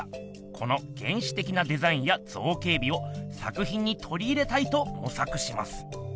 この原始的なデザインや造形美を作品にとり入れたいともさくします。